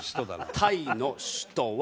タイの首都は？